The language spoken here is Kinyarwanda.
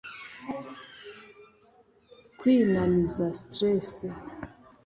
kwinaniza (stress)